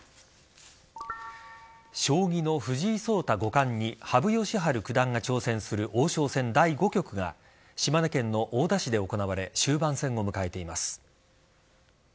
将棋の藤井聡太五冠に羽生善治九段が挑戦する王将戦第５局が島根県の大田市で行われ終盤戦を迎えています。